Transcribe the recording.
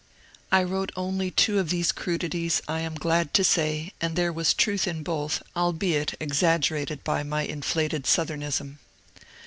I wrote only two of these crudities, I am glad to say, and there was truth in both, albeit exaggerated in my inflated Southemism.